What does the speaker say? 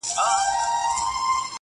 بس پښتونه چي لښکر سوې نو د بل سوې,